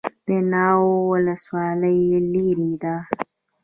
د ناوه ولسوالۍ لیرې ده